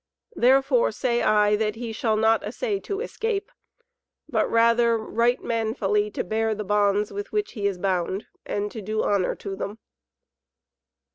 Therefore say I that he shall not assay to escape, but rather right manfully to bear the bonds with which he is bound, and to do honour to them."